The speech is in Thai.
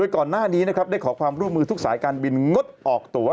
ก่อนหน้านี้นะครับได้ขอความร่วมมือทุกสายการบินงดออกตัว